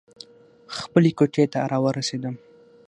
خپلې کوټې ته راورسېدم.